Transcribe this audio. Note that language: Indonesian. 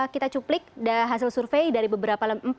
kita cuplik hasil survei dari beberapa lembaga